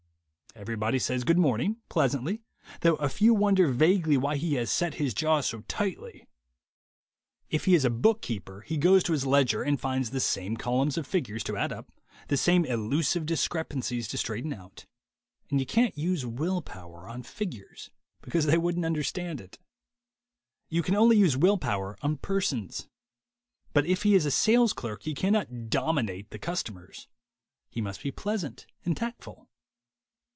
Everybody says Good Morn ing, pleasantly, though a few wonder vaguely why he has set his jaw so tightly. If he is a bookkeeper, he goes to his ledger and finds the same columns of figures to add up, the same elusive discrepancies to straighten out; and you can't use will power on figures, because they wouldn't understand it. You can only use will power on persons. But if he is a sales clerk he cannot "dominate" the customers: he must be pleasant and tactful.